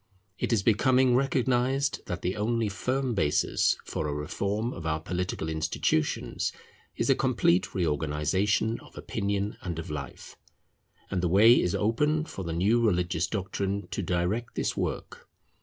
It is becoming recognized that the only firm basis for a reform of our political institutions, is a complete reorganization of opinion and of life; and the way is open for the new religious doctrine to direct this work.